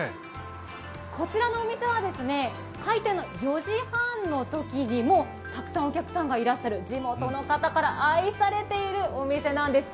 こちらのお店は開店の４時半のときに、もうたくさんお客さんがいらっしゃる地元の方から愛されているお店なんです。